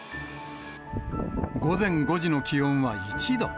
午前５時の気温は１度。